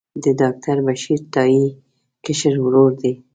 د ډاکټر بشیر تائي کشر ورور دی.